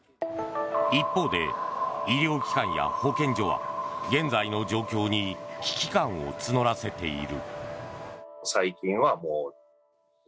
一方で、医療機関や保健所は現在の状況に危機感を募らせている。